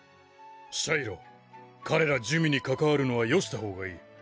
シャイロ彼ら珠魅に関わるのはよした方がいい。